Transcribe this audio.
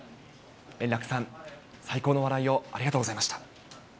円楽さん、最高の笑いをありがとうございました。